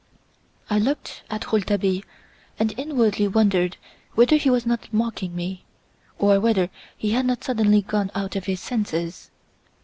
I looked at Rouletabille and inwardly wondered whether he was not mocking me, or whether he had not suddenly gone out of his senses.